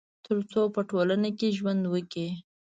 تر څو په ټولنه کي ژوند وکړي